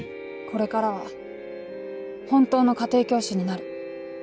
これからは本当の家庭教師になる。